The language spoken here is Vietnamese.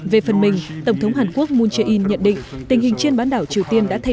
về phần mình tổng thống hàn quốc moon jae in nhận định tình hình trên bán đảo triều tiên đã thay